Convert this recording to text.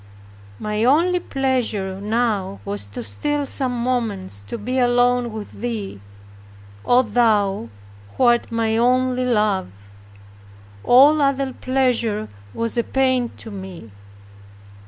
My only pleasure now was to steal some moments to be alone with Thee, O thou who art my only Love! All other pleasure was a pain to me.